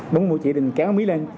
bốn cái mũi chỉ để mình kéo cái mí lên